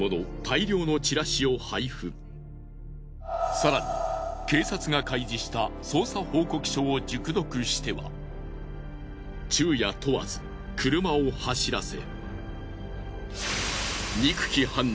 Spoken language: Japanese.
更に警察が開示した捜査報告書を熟読しては昼夜問わず車を走らせ。